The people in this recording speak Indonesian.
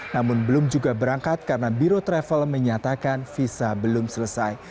namun belum juga berangkat karena biro travel menyatakan visa belum selesai